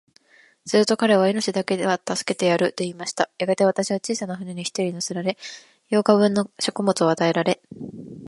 すると彼は、命だけは助けてやる、と言いました。やがて、私は小さな舟に一人乗せられ、八日分の食物を与えられ、